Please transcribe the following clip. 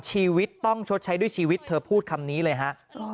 ชีวิตต้องชดใช้ด้วยชีวิตเธอพูดคำนี้เลยฮะ